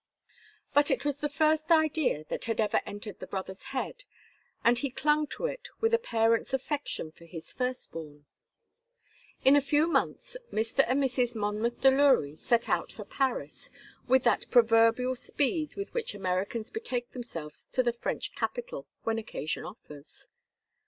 But it was the first idea that had ever entered the brother's head, and he clung to it with a parent's affection for his first born. In a few months Mr. and Mrs. Monmouth Delury set out for Paris with that proverbial speed with which Americans betake themselves to the French capital when occasion offers.